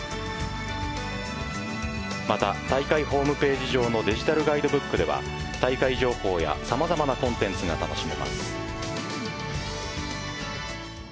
また、大会ホームページ上のデジタルガイドブックでは大会情報やさまざまなコンテンツが楽しめます。